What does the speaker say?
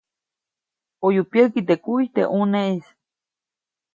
ʼOyu pyäki teʼ kuy teʼ ʼuneʼis.